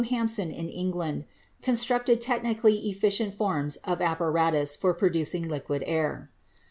Hampson in England constructed technically efficient forms of apparatus for producing liquid air.